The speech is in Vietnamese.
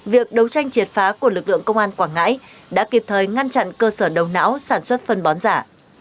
việc đấu tranh triệt phá của lực lượng công an quảng ngãi đã kịp thời ngăn chặn cơ sở đầu não sản xuất phân bón giả